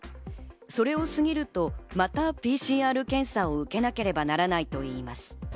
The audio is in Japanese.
それを過ぎると、またＰＣＲ検査を受けなければならないといいます。